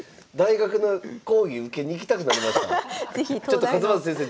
ちょっと勝又先生